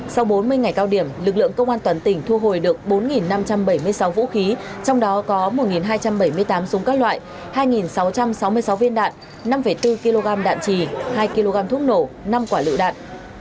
sau bốn mươi ngày cao điểm lực lượng công an toàn tỉnh thu hồi được bốn năm trăm bảy mươi sáu vũ khí trong đó có một hai trăm bảy mươi tám súng các loại hai sáu trăm sáu mươi sáu viên đạn năm bốn kg đạn trì hai kg thuốc nổ năm quả lựu đạn